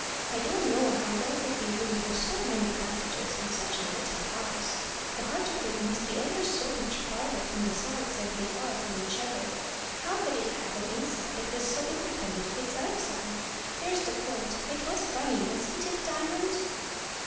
I don't know how there could be room for so many passages in such a little house. The heart of it must be ever so much farther from the sides than they are from each other. How could it have an inside that was so independent of its outside? There's the point. It was funny wasn't it, Diamond?"